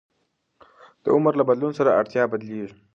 د عمر له بدلون سره اړتیا بدلېږي.